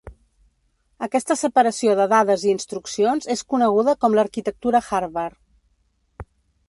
Aquesta separació de dades i instruccions és coneguda com l'arquitectura Harvard.